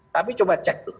tapi coba cek tuh